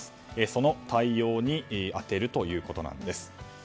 その対応に充てるということです。